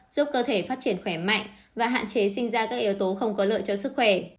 giúp cơ thể phát triển khỏe mạnh và hạn chế sinh ra các yếu tố không có lợi cho sức khỏe